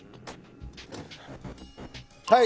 はい！